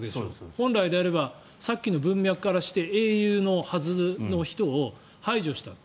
本来であればさっきの文脈からして英雄のはずの人を排除したと。